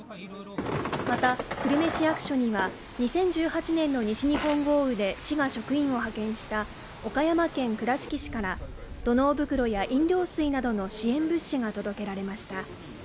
また、久留米市役所には２０１８年の西日本豪雨で市が職員を派遣した岡山県倉敷市から土のう袋や飲料水などの支援物資が届けられました。